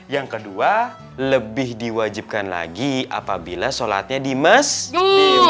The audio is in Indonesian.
yang kedua lebih diwajibkan lagi apabila sholatnya di masjid